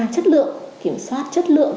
chất lượng kiểm soát chất lượng